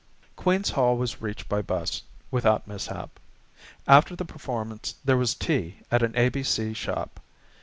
Queen's Hall was reached, by bus, without mishap. After the performance there was tea at an A.B.C. shop.